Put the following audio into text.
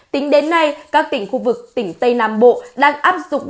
tính đến nay các tỉnh khu vực tỉnh tây nam bộ đang áp dụng